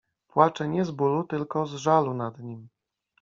Płacze nie z bólu, tylko z żalu nad nim.